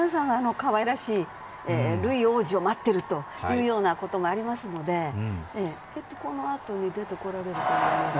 かわいらしいルイ王子を待っているということがありますので、このあとに出てこられると思います。